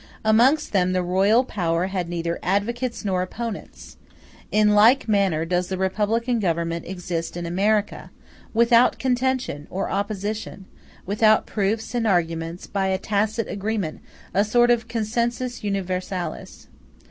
Amongst them the royal power had neither advocates nor opponents. In like manner does the republican government exist in America, without contention or opposition; without proofs and arguments, by a tacit agreement, a sort of consensus universalis.